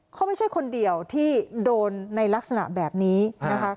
เขาไม่ใช่คนเดียวที่โดนในลักษณะแบบนี้นะคะ